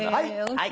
はい。